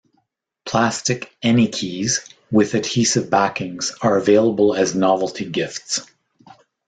Plastic "any keys" with adhesive backings are available as novelty gifts.